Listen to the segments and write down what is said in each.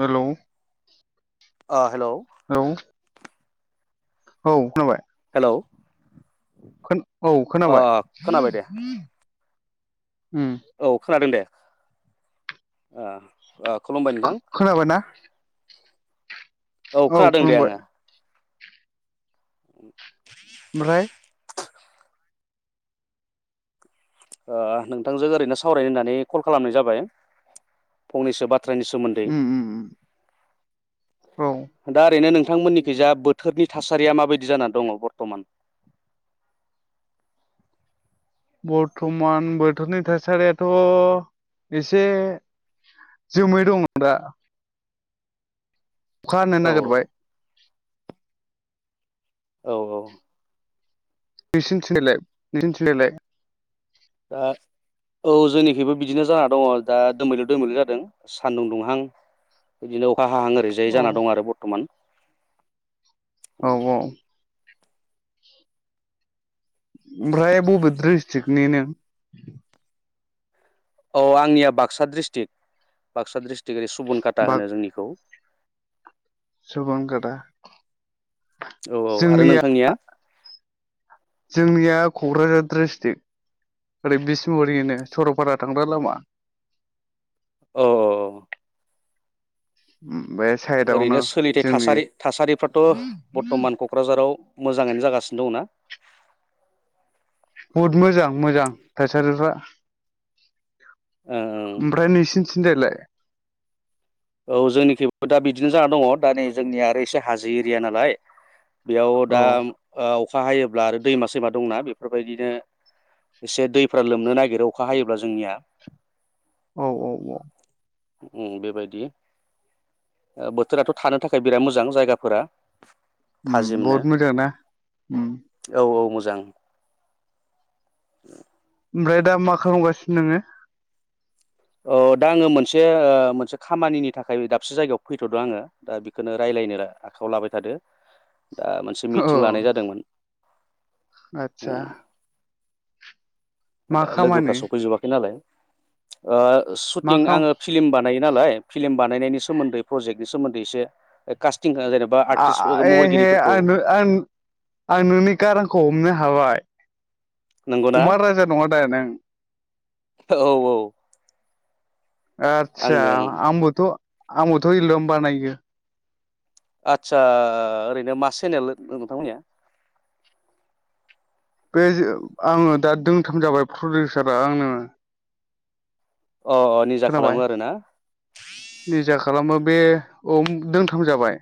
Hello आं hello औ औ खोनाबाय? हेलौ खो औ ओ खोनाबाय। खोनाबाय दे उम औ खोनादों दे। आ आब खो-खोनाबायना? औ खोनादों दे आंङो। [inaudible] ओमफ्राय ओ नोंथांजों ओरैनो सावरायनो होननानै कल खालामनाय जाबाय फंनैसो बाथ बाथ्रानि सोमोन्दै। उम उम उम औ दा ओरैनो नों नोंथांमोननिखैजा बोथोरनि थासारिया माबायदि जानानै दङ बरथमान? बरथमान बोथोरनि थासारियाथ एसे जोमै दङ दा। अखा हानो औ नागिरबाय औ औ निसिनथिलाय निसिनथिनायलाय? दा औ जोंनिखिबो बिदिनो जाना दङ दा दोमैलु दोमैलु जादों सान्दुं दुंहां बिदिनो फाहांहां ओरैजायै औ जाना दं आरो बरथमान औ व ओमफ्राय बबे द्रिस चिडनि नों? औ आंनिया बाक्सा डिस्ट्रिक्ट बाक्सा डिस्ट्रिक्ट सुबुन खाता होनो जोंनिखौ सुबनकाता औ औ आरो नोंथांनिया जोंनिया कक्राझार डिस्ट्रिक्ट ओरै बिसमुरिनो सरलपारा थांग्रा लामा औ औ [inaudible] साइदआवनो ओरैनो सोलिथाय जोंनि थासारि थासारिफ्राथ बर्थ मान कक्राझाराव मोजाङैनो जागासिनो दंना? बुहुद मोजां मोजां थासारिफ्रा। ओमफ्राय नोंसिन थिंजाय लाय? औ जोंनिखिबो दा बिदिनो जाना दङ दा नै जोंनिया आरो एसे हाजो एरिया नालाय बेयाव औ दा अखा हायोब्ला आरो दैमा सैमा दंना बेफोरबायदिनो एसे दैफ्रा लोमनो नागिरो अखा हायोब्ला जोंनिया। औ औ औ। बेबायदि बोथोराथ थानो थाखाय बिराद मोजां जायगाफोरा। थाजिमनो बहत मोजां ना? औ औ मोजां। ओमफ्राय दा मा खालामगासिनो नोङो? अ दा आङो मोनसे मोनसे खामानिनि थाखाय दाबसे जायगायाव फैथ दों आङो दा बेखौनो राय्लायनो आखायाव लाबाय थादों। दा मोनसे मिटिं लानाय जादोंमोन। आतसा दा लोगोफ्रा सफैजोबाखै नालाय ओ मा शुटिं खाम आङो फिलिम बानायायो नालाय सिलिम ओ बानाय नायनि सोमैदै फ्रेजेख नि सोमोनदै एसे जेनेबा आ आर्टिस्ट आ एहे महरगिरिफोरखौ आ आ आं नोंनि गारांखौ हमनो हाबाय। नंगौना अमा राजा नङा दा नों? [inaudible] औ औ। आतसा आंनो आंबोथ आंबोथ इलबाम बानाय यो। आतसा ओरैनो मा चेनेल नोंथांमोननिया। बे आङो दा दोंथाम जाबाय प्रडिउसारा आंनो। अ अ निजा खोनाबाय खालामो आरो ना। निजा खालामो बे औ दोंथाम जाबाय।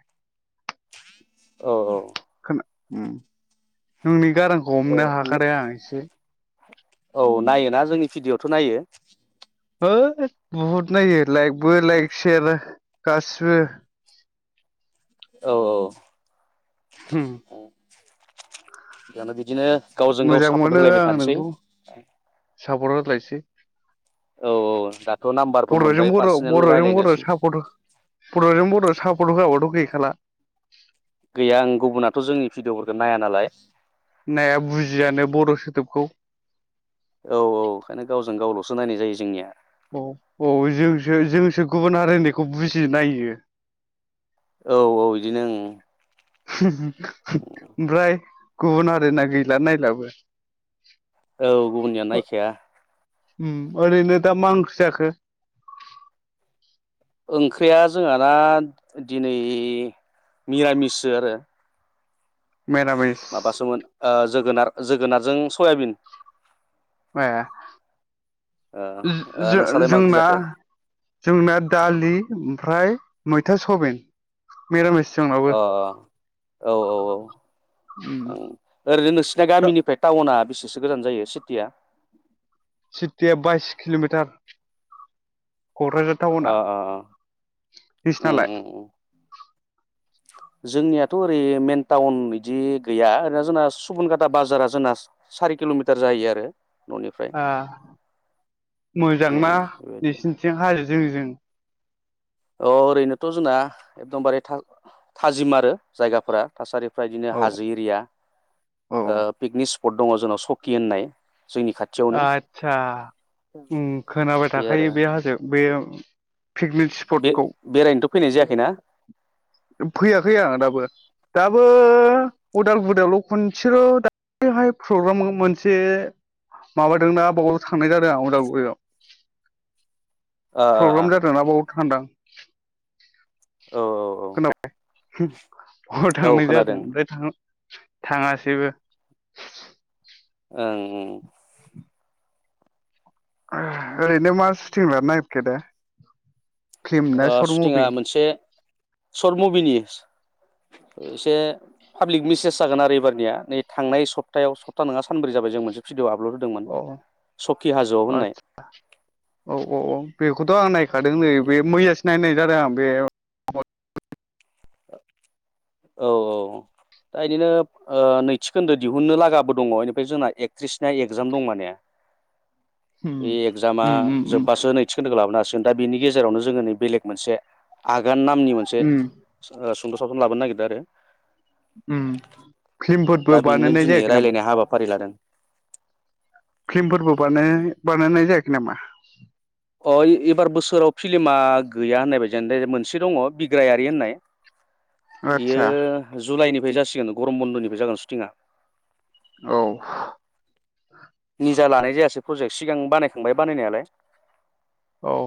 औ औ। जोंनि गारांखौ औ हमनो हाखादाय ओ आं इसे औ नायोना जोंनि भिडिअआवथ नायो। हो बहुद नायो लाइकबो लाइक सेर गाससिबो। औ औ। हम जानो बि बिदिनो गावजों गाव मोजां सापर्ट मोनो होलायबाय आं थानोसै। से औ औ ज बर'जों बर' बर'जों बर' सापर्ट बर'जों बर' सापर्ट होआबाथ गैखा सालला गैया आं गुबुनाथ जोंनि भिडिअफोरखौ नाया नालाय नाया बुजियानो बर' सोदोबखौ। औ औ ओंखायनो गावजों गावलसो नायनाय जायो जोंनिया। औ औ जोंसो जोंसो गुबुन हारिनायखौ बुजियो नायो। औ औ बिदिनो ओं ह हो ओमफ्राय गुबुन आरोना गैला नायलाबो। औ गुबुननिया नायखाया। उम ओरैनो दा मा ओंख्रि जाखो ओंख्रिया जोंहाना दिनै मिरामिसो आरो। मिरामिस माबासोमोन ओ जोगोनार जोगोनारजों सयाबिन। ए ओ ओ जो-जो नोंस्रालाय मा ओंख्रि जोंना जाखो जोंना दालि ओमफ्राय मैथा सबिन मिरामिस। जोंनावबो अ अ औ औ औ उम ओरैनो नोंसिना गामिनिफ्राय टाउना बिसब एसो गोजान जायो सिटिया। सिटिया बाइस किलमिटार। कक्राझार अ टाउना अ उम नोसिनालाय। उम उम जोंनियाथ' ओरै मेन टाउन इदि गैया ओरैनो जोंना सुबुनगाटा बाजारा जोंना सारि किलमिटार जायो आरो। न'निफ्राय ओ मोजां उम ना बेबायदि नोंसिनिथिं हाजो जो जों? अ ओरैनोथ' जोंना एकदमबारे था थाजिम आरो जायगाफोरा थासारि फ्राय बिदिनो औ हाजो एरिया औ ओ पिकनिक स्प पद दङ जोंनाव सकि होननाय। जोंनि खाथियावनो आदसा ओ खोनाबाय थाखायो बे हाजो बे पिकनिक बे स्पटखौ बेरायनोथ' फैनाय जायाखैना? फैयाखै आं दाबो दाबो अदालगुरियावल' खनसेल' दायोहाय प्रग्राम मोनसे माबादोंना बावल' थांनाय जादों आं अदालगुरियाव। ओ औ प्रग्राम जादों ना बाव थांदां। औ औ औ। खोनाबाय अ औ थांनाय जादों खोनादों बे थां थाङासैबो ओं ओरैनो मा सुटिं लेरनो नागिरखो दा? फिल्म ना सर्ट सुटिंआ मुभि मोनसे शर्ट मुभिनि [unintelligible] एसे पाब्लिक मिसेज जागोन आरो एबारनिया नै थांनाय सप्तायाव सप्ता नङा सानब्रै जाबाय जों मोनसे भिडिअ आब औ आदसा औ औ औ बेखौन थ आं नायखादों नै होननाय बे मैयासो नायनाय जादों आं बे उम ओ औ औ दा इदिनो ओ नैथि खोन्दो दिहुननो लागाबो दङ बेनिफ्राय जोंना एकथ्रिसनि एगजाम दं माने। बे एगजामा उम उम जोब्बासो नैथि खोन्दोखो लाबोनो हागोन दा बेनि गेजेरावनो जोङो नै बेलेक मोनसे आग गान नामनि मोनसे उम ओ हिनजावसाखोनो लाबोनो नागिर दो आरो उम दा फिल्मफोरबो बेनो बानायनाय दिनै जायाखै नामा? रायलायनाय हाबाफारि लादों फिल्मफोरबो बानाय बानायनाय जायाखै नामा? अ एबार बोसोराव फिलिमा गैया होननाय बायदियानो दे मोनसे दङ बिग्रायारि होननाय। आदसा बियो जुलाइनिफ्राय जासिगोन। नो गरम बन्दनिफ्राय जागोन सुटिंआ औ निजा लानाय जायासै प्रजेक्ट सिगां बानायखांबाय बानायनायालाय, औ